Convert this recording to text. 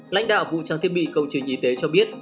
lãnh đạo vụ trang thiết bị công trình y tế cho biết